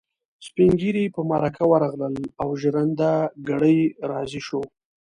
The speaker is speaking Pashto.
سپين ږيري په مرکه ورغلل او ژرنده ګړی راضي شو.